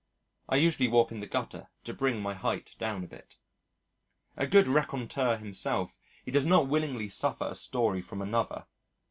I usually walk in the gutter to bring my height down a bit. A good raconteur himself, he does not willingly suffer a story from another.